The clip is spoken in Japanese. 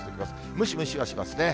ムシムシはしますね。